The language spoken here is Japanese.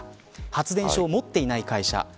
発電所を持っていない会社。